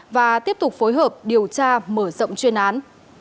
và tiếp tục phối hợp điều tra mở rộng chuyên án